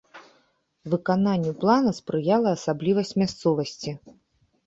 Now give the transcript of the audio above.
Выкананню плана спрыяла асаблівасць мясцовасці.